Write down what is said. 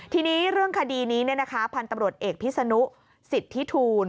ทีนี้เรื่องคดีนี้เนี่ยนะคะพันธ์ตำรวจเอกพิสนุสิทธิทูล